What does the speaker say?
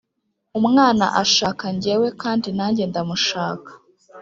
umwana ashaka njyewekandi nanjye ndamushaka